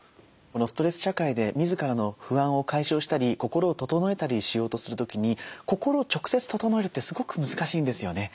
このストレス社会で自らの不安を解消したり心を整えたりしようとする時に心を直接整えるってすごく難しいんですよね。